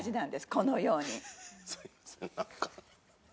このように。